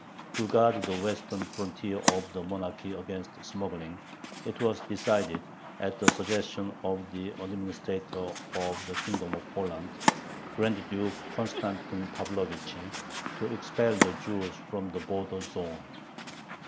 To guard the western frontier of the monarchy against smuggling, it was decided, at the suggestion of the Administrator of the Kingdom of Poland, Grand Duke Constantine Pavlovich, to expel the Jews from the border zone.